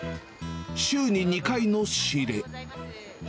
週に２回の仕入れ。